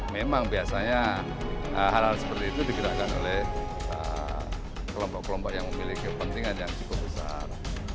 memang biasanya hal hal seperti itu digerakkan oleh kelompok kelompok yang memiliki kepentingan yang cukup besar